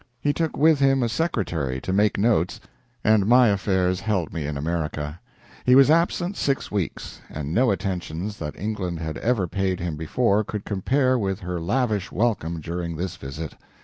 He took with him a secretary to make notes, and my affairs held me in America. He was absent six weeks, and no attentions that England had ever paid him before could compare with her lavish welcome during this visit.